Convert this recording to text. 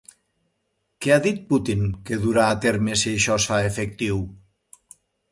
Què ha dit Putin que durà a terme si això es fa efectiu?